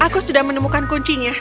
aku sudah menemukan kuncinya